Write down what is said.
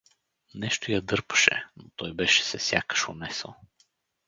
Нещо я дърпаше, но той беше се сякаш унесъл.